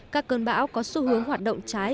các cơn bão có xu hướng hoạt động trái